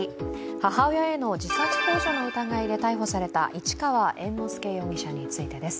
母親への自殺ほう助の疑いで逮捕された市川猿之助容疑者についてです。